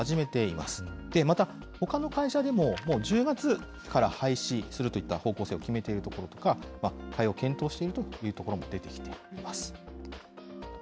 また、ほかの会社でも、もう１０月から廃止するといった方向性を決めているところや対応を検討しているという所も出てきています。